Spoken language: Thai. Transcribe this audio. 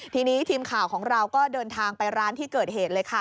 ทีนี้ทีมข่าวของเราก็เดินทางไปร้านที่เกิดเหตุเลยค่ะ